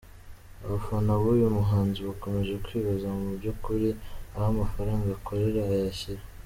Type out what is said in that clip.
Abafana b’uyu muhanzi bakomeje kwibaza mu by’ukuri aho amafaranga akorera ayashyira.